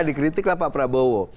dikritiklah pak prabowo